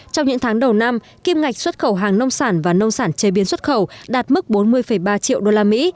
trong những tháng đầu năm kim ngạch xuất khẩu hàng nông sản và nông sản chế biến xuất khẩu đạt mức bốn mươi ba triệu usd